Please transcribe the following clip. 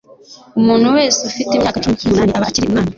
umuntu wese ufite imyaka cumi n,umunani aba akiri umwana.”